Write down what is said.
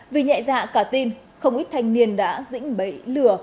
vì nhẹ dạ cả tin không ít thanh niên đã dĩnh bẫy lừa